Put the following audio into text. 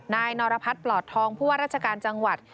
นายนรพัฒน์ปลอดทองผู้ว่าราชการจังหวัด